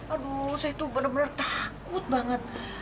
aduh saya tuh bener bener takut banget